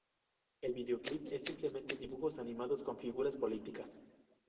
El videoclip es simplemente dibujos animados con figuras políticas.